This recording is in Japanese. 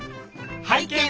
拝見！